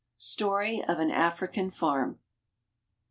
_Story of an African Farm.